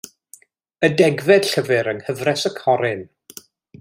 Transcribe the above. Y degfed llyfr yng Nghyfres y Corryn.